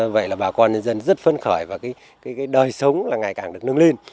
vậy là bà con nhân dân rất phân khởi và cái đời sống là ngày càng được nâng lên